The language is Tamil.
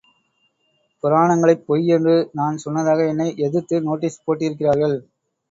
புராணங்களைப் பொய் என்று நான் சொன்னதாக என்னை எதிர்த்து நோட்டீசு போட்டிருக்கிறார்கள்.